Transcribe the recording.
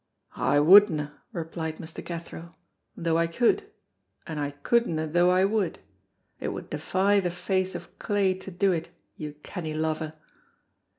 "I wouldna," replied Mr. Cathro, "though I could, and I couldna though I would. It would defy the face of clay to do it, you canny lover."